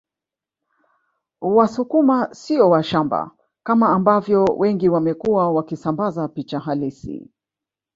Wasukuma sio washamba kama ambavyo wengi wamekuwa wakisambaza picha halisi